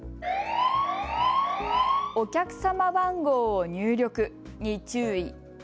お客様番号を入力に注意。